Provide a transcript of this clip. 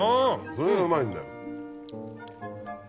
それがうまいんだよ。